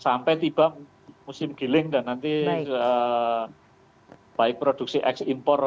sampai tiba musim giling dan nanti baik produksi ekspor